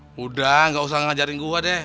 sudah tidak usah mengajari gue deh